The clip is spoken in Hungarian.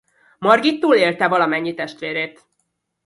Margit túlélte valamennyi testvérét.